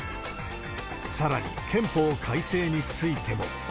さらに、憲法改正についても。